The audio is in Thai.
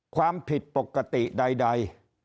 ความผิดปกติใด